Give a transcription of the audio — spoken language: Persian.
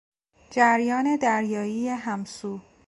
جریان دریایی همسو